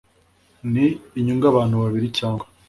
n inyungu abantu babiri cyangwa